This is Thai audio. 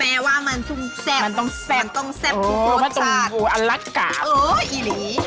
แปลว่ามันต้องเซ็บมันต้องเซ็บทุกรสชาติโอ้โฮมันต้องอัลลักษณ์กล่าวโอ้โฮอีหลี